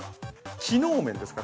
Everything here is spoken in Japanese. ◆機能面ですか。